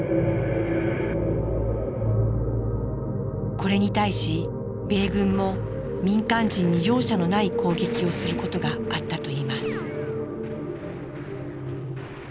これに対し米軍も民間人に容赦のない攻撃をすることがあったといいます。